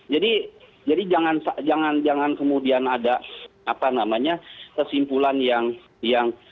jadi jadi jangan jangan jangan kemudian ada apa namanya kesimpulan yang yang